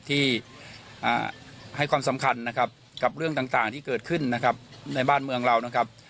ที่ให้ความสำคัญนะครับกับเรื่องต่างที่เกิดขึ้นนะครับในบ้านเมืองเรานะครับ